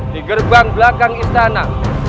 di gerbang belakang istana